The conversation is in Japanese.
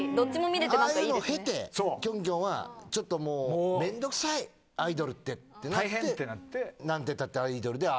ああいうの経てキョンキョンはちょっともうめんどくさいアイドルってってなって『なんてたってアイドル』でああなって。